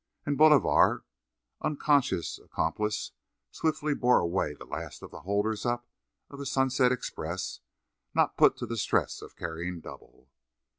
And Bolivar, unconscious accomplice, swiftly bore away the last of the holders up of the "Sunset Express," not put to the stress of "carrying double."